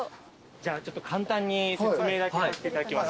じゃあちょっと簡単に説明だけさせていただきます。